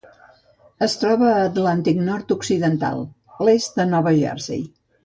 Es troba a l'Atlàntic nord-occidental: l'est de Nova Jersey.